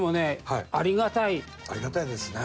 ありがたいですね。